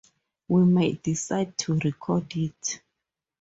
We may decide to record it.